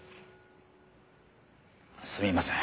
すみません。